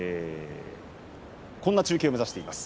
こんな中継を目指しています。